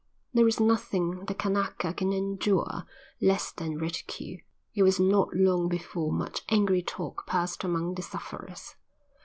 There is nothing the Kanaka can endure less than ridicule. It was not long before much angry talk passed among the sufferers.